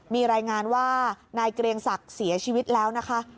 มีรายงานว่านายเกรียงศักดิ์เสียชีวิตแล้วนะคะ